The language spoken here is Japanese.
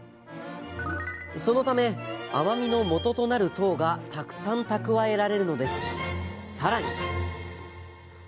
そのため甘みの元となる糖がたくさん蓄えられるのです。